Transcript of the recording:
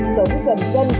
sống gần dân